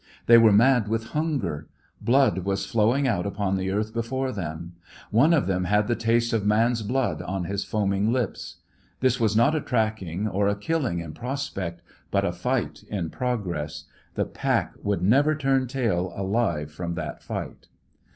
They were mad with hunger. Blood was flowing out upon the earth before them. One of them had the taste of man's blood on his foaming lips. This was not a tracking, or a killing in prospect, but a fight in progress. The pack would never turn tail alive from that fight.